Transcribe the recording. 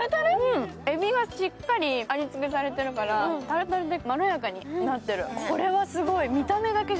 えびがしっかり味付けされているから、タルタルでまろやかになってる。